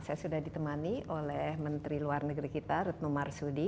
saya sudah ditemani oleh menteri luar negeri kita retno marsudi